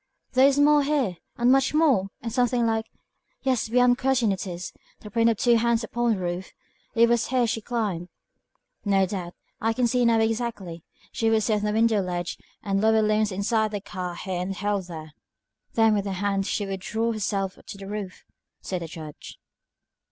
"There is more here, much more, and something like yes, beyond question it is the print of two hands upon the roof. It was here she climbed." "No doubt. I can see it now exactly. She would sit on the window ledge, the lower limbs inside the car here and held there. Then with her hands she would draw herself up to the roof," said the Judge.